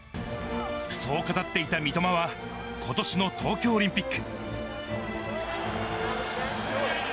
そう語っていた三笘は、ことしの東京オリンピック。